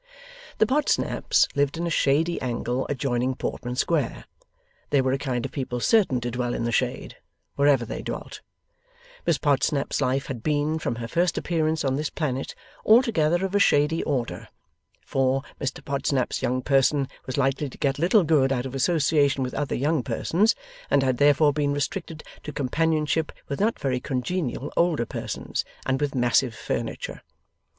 The Podsnaps lived in a shady angle adjoining Portman Square. They were a kind of people certain to dwell in the shade, wherever they dwelt. Miss Podsnap's life had been, from her first appearance on this planet, altogether of a shady order; for, Mr Podsnap's young person was likely to get little good out of association with other young persons, and had therefore been restricted to companionship with not very congenial older persons, and with massive furniture.